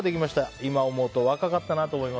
今思うと、若かったなと思います。